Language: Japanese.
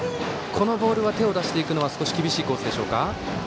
このボールは手を出していくのは少し厳しいコースでしょうか？